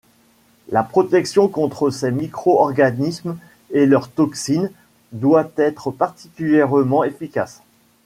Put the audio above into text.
La protection contre ces micro-organismes et leurs toxines doit être particulièrement efficace.